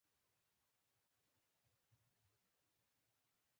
خسروخان يې وواژه.